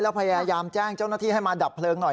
แล้วพยายามแจ้งเจ้าหน้าที่ให้มาดับเพลิงหน่อย